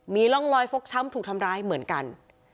มีร่องรอยฟกช้ำถูกทำร้ายเหมือนกัน